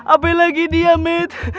apa lagi dia med